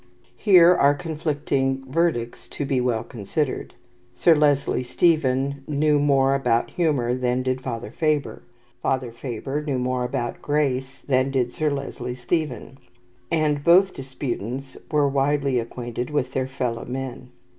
Here are conflicting verdicts to be well considered. Sir Leslie Stephen knew more about humour than did Father Faber; Father Faber knew more about "grace" than did Sir Leslie Stephen; and both disputants were widely acquainted with their fellow men.